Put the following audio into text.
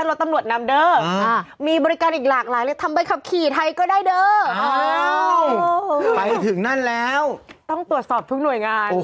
เหมือนเขามีการแชร์กันเยอะเลย